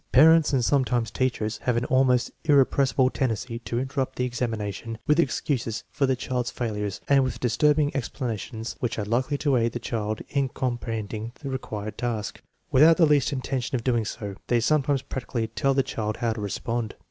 Parents, and sometimes teachers, have an almost irrepressible tendency to interrupt the examination with excuses for the child's failures and with disturbing explana tions which are likely to aid the child in comprehending the required task. Without the least intention of doing so, they sometimes practically tell the child how to respond.